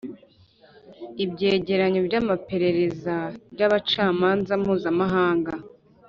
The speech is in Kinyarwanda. Ibyegeranyo by'amaperereza y'abacamanza mpuzamahanga